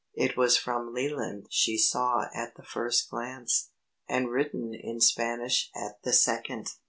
It was from Leland she saw at the first glance, and written in Spanish at the second.